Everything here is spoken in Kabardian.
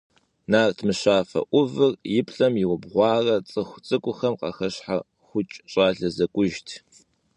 Нарт мыщафэ Ӏувыр и плӀэм иубгъуарэ цӀыху цӀыкӀухэм къахэщхьэхукӀ щӀалэ зэкӀужт.